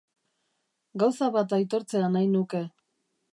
Gauza bat aitortzea nahi nuke.